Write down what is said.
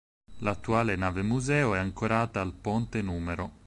L'attuale nave-museo è ancorata al ponte nr.